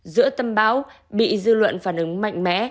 giữa tâm báo bị dư luận phản ứng mạnh mẽ